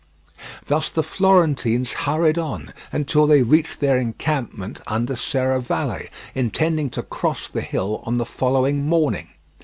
Thus the Florentines hurried on until they reached their encampment under Serravalle, intending to cross the hill on the following morning.